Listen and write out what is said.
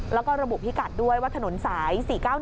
แล้วก็ระบุพิกัดด้วยว่าถนนสาย๔๙๑